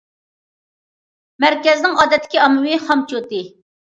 مەركەزنىڭ ئادەتتىكى ئاممىۋى خامچوتى.